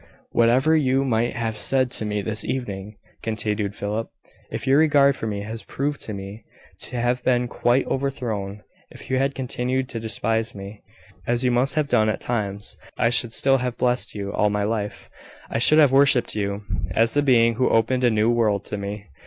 "Whatever you might have said to me this evening," continued Philip, "if your regard for me had proved to have been quite overthrown if you had continued to despise me, as you must have done at times I should still have blessed you, all my life I should have worshipped you, as the being who opened a new world to me.